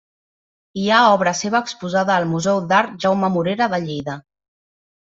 Hi ha obra seva exposada al Museu d'Art Jaume Morera de Lleida.